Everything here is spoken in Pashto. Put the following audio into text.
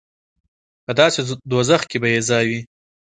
په داسې دوزخ کې به یې ځای وي.